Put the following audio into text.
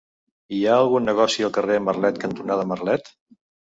Hi ha algun negoci al carrer Marlet cantonada Marlet?